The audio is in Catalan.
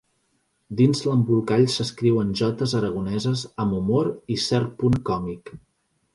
Dins l'embolcall s'escriuen jotes aragoneses amb humor i cert punt còmic.